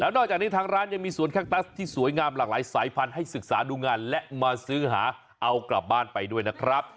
นอกจากนี้ทางร้านยังมีสวนแคคตัสที่สวยงามหลากหลายสายพันธุ์ให้ศึกษาดูงานและมาซื้อหาเอากลับบ้านไปด้วยนะครับ